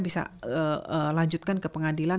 bisa lanjutkan ke pengadilan